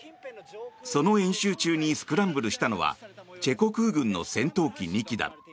その演習中にスクランブルしたのはチェコ空軍の戦闘機２機だ。